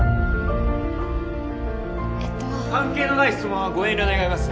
えっと関係のない質問はご遠慮願います